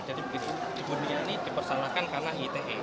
jadi begitu di buniani dipersalahkan karena ite